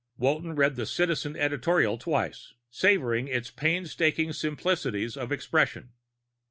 Walton read the Citizen editorial twice, savoring its painstaking simplicities of expression.